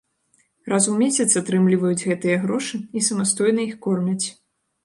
Раз у месяц атрымліваюць гэтыя грошы і самастойна іх кормяць.